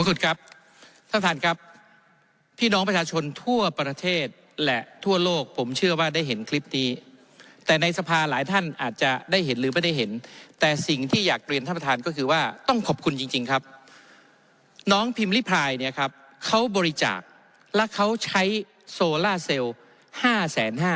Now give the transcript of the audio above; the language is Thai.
ขอบคุณครับท่านครับที่น้องประชาชนทั่วประเทศและทั่วโลกผมเชื่อว่าได้เห็นคลิปนี้แต่ในสภาหลายท่านอาจจะได้เห็นหรือไม่ได้เห็นแต่สิ่งที่อยากเรียนท่านประทานก็คือว่าต้องขอบคุณจริงจริงครับน้องพิมพลิพลายเนี่ยครับเขาบริจาคและเขาใช้โซล่าเซลล์ในสภาหลายท่านอาจจะได้เห็นหรือไม่ได้เห็นแต